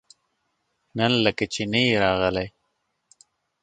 نن لکه چې نه يې راغلی؟